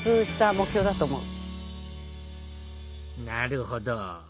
なるほど。